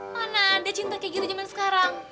mana ada cinta kayak gitu jaman sekarang